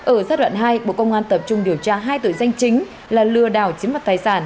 ở giai đoạn hai bộ công an tập trung điều tra hai tội danh chính là lừa đảo chiếm mặt tài sản